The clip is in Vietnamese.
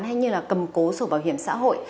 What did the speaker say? hay như là cầm cố sổ bảo hiểm xã hội